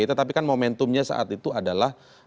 tetapi kan momentumnya saat itu adalah